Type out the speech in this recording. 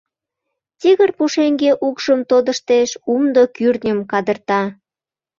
Тигр пушеҥге укшым тодыштеш, умдо кӱртньым кадырта.